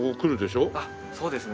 そうですね。